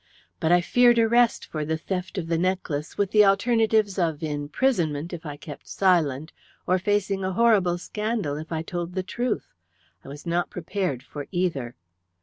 But I feared arrest for the theft of the necklace, with the alternatives of imprisonment if I kept silent, or facing a horrible scandal if I told the truth. I was not prepared for either.